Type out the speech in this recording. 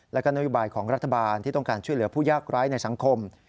แล้วก็นโยบายของรัฐบาลที่ต้องการช่วยเหลือผู้ยากร้ายในสังคม